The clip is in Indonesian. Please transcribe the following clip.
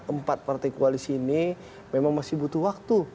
empat partai koalisi ini memang masih butuh waktu